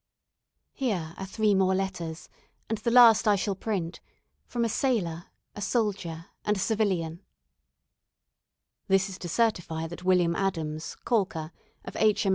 Here are three more letters and the last I shall print from a sailor, a soldier, and a civilian: "This is to certify that Wm. Adams, caulker, of H.